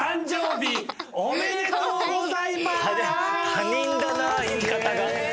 他人だな言い方が。